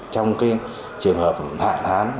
trong cái trường hợp hạn hán